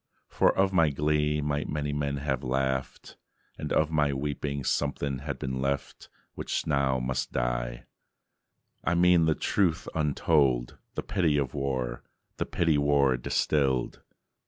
For of my glee might many men have laughed, And of my weeping something had been left Which must die now. I mean the truth untold: The pity of war, the pity war distilled.